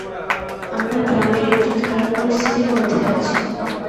আমরা গ্রামের একটি খারাপ পরিস্থিতির মধ্যে আছি।